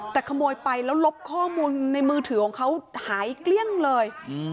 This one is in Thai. แต่ขโมยไปและลบข้อมูลของเขาหายเกลี้ยงเลย